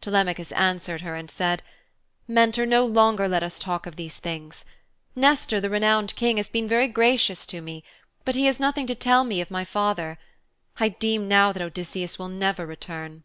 Telemachus answered her and said, 'Mentor, no longer let us talk of these things. Nestor, the renowned King, has been very gracious to me, but he has nothing to tell me of my father. I deem now that Odysseus will never return.'